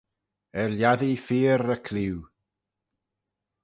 Er lhiattee feayr y clieau.